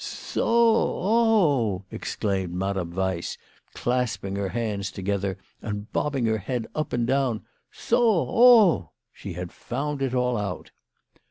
" Soh oh oh !" exclaimed Madame Weiss, clasp ing her hands together and bobbing her head up and down. "Soh oh oh!" She had found it all out.